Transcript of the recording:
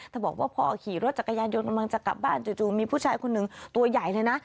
บอกว่าพอขี่รถจักรยานยนต์กำลังจะกลับบ้านจู่มีผู้ชายคนหนึ่งตัวใหญ่เลยนะ